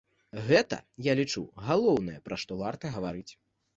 Гэта, я лічу, галоўнае, пра што варта гаварыць.